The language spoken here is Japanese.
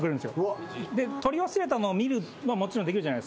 とり忘れたのを見るはもちろんできるじゃないですか。